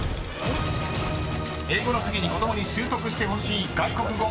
［英語の次に子供に習得してほしい外国語］